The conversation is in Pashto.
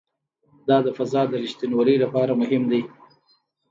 دا د فضا د ریښتینولي لپاره مهم دی.